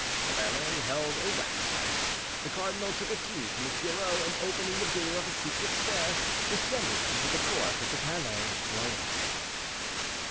The valet held a wax light; the cardinal took a key from his bureau and opening the door of a secret stair descended into the court of the Palais Royal.